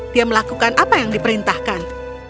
dia melakukan apa yang diperintahkan